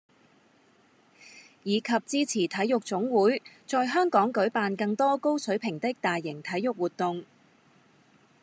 以及支持體育總會在香港舉辦更多高水平的大型體育活動